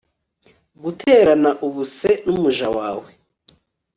guterana ubuse n'umuja wawe